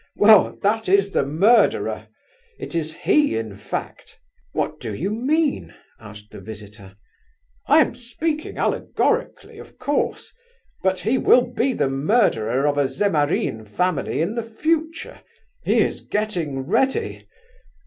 "Well, that is the murderer! It is he—in fact—" "What do you mean?" asked the visitor. "I am speaking allegorically, of course; but he will be the murderer of a Zemarin family in the future. He is getting ready.